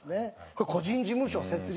これ個人事務所を設立